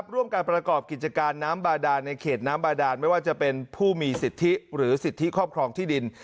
ร่วมการประกอบกิจการน้ำบาดานในเขตน้ำบาดานไม่ว่าจะเป็นผู้มีสิทธิหรือสิทธิครอบครองที่ดิน